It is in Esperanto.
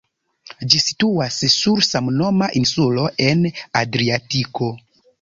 Ĝi situas sur samnoma insulo en Adriatiko.